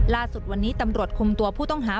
ล่าสุดวันนี้ตำรวจคุมตัวผู้ต้องหา